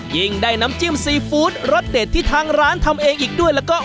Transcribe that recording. ยิ่งได้น้ำจิ้มซีฟู้ดรสเด็ดที่ทางร้านทำเองอีกด้วยแล้วก็